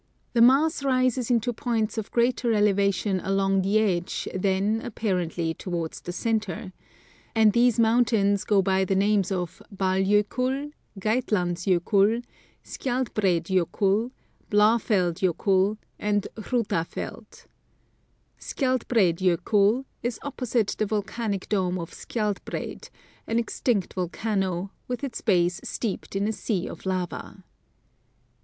The mass rises into points of greater elevation along the edge than, apparently, towards the centre ; and these mountains go by the names of Ball Jokull, Geitlands Jokull, Skjaldbreid Jokull, Bl^fell Jokull, and Hrutafell. Skjaldbreid Jokull is opposite the volcanic dome of Skjaldbreid, an extinct volcano, with its base steeped in a sea of lava.